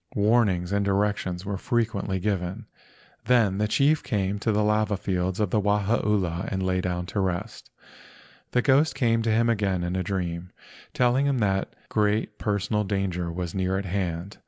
Warnings and directions were frequently given. Then the chief came to the lava fields of Wahaula and lay down to rest. The ghost came to him again in a dream, telling him that THE GHOST OF WAHAULA TEMPLE II great personal danger was near at hand.